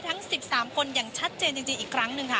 ทั้ง๑๓คนอย่างชัดเจนจริงอีกครั้งหนึ่งค่ะ